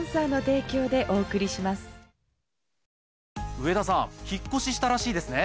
上田さん引っ越ししたらしいですね？